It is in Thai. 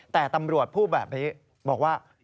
แต่ตำรวจพูดแบบนี้บอกว่า